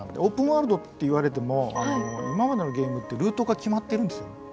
オープンワールドっていわれても今までのゲームってルートが決まってるんですよ。